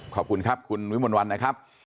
ขอบคุณครับคุณวิมนต์วันนะครับ